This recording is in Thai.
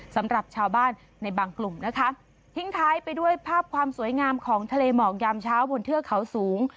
สำหรับชาวบ้านในบางกลุ่มนะคะทิ้งท้ายไปด้วยภาพความสวยงามของทะเลหมอกยามเช้าบนเทือกเขาสูง